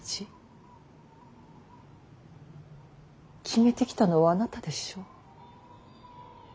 決めてきたのはあなたでしょう。